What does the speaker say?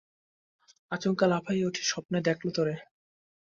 আচুক্কা লাফাইয়া উডি স্বপ্নে দ্যাকলে তোরে ।